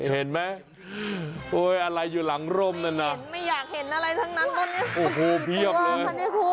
เห็นมั้ยอะไรอยู่หลังร่มนั้นน่ะไม่เห็นไม่อยากเห็นอะไรทั้งนั้นตรงนี้โอ้โหเพียบเลย